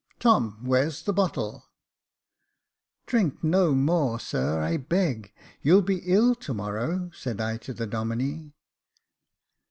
Tom, Where's the bottle ?"" Drink no more, sir, I beg ; you'll be ill to morrow," said I to the Domine.